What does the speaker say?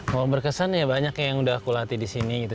mau berkesan ya banyak yang udah aku latih di sini gitu